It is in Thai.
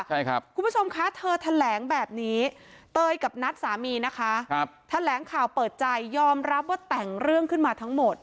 ใช่ครับคุณผู้ชมคะเธอแถลงแบบนี้เตยกับนัทสามีนะคะครับแถลงข่าวเปิดใจยอมรับว่าแต่งเรื่องขึ้นมาทั้งหมด